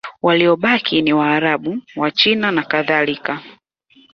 Waliobaki ni Waarabu, Wachina nakadhalika.